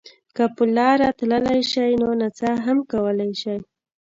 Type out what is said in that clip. که په لاره تللی شئ نو نڅا هم کولای شئ.